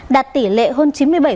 đạt tỷ lệ hơn chín mươi bảy